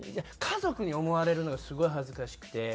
家族に思われるのがすごい恥ずかしくて。